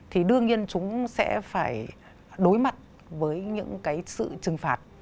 thì đương nhiên chúng sẽ phải đối mặt với những cái sự trừng phạt